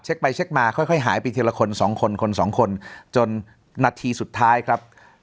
เช็คไปเช็คมาค่อยหายไปทีละคนสองคนคนสองคนจนนาทีสุดท้ายครับ